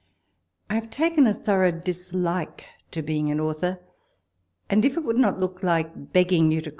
I have taken a thorough dislike to being an author ; and if it would not look like begging you to com 166 WALPOLE S LETTERS.